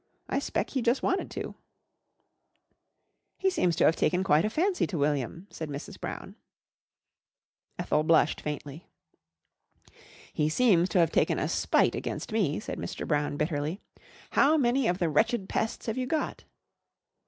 I s'pect he jus' wanted to." "He seems to have taken quite a fancy to William," said Mrs. Brown. Ethel blushed faintly. "He seems to have taken a spite against me," said Mr. Brown bitterly. "How many of the wretched pests have you got?"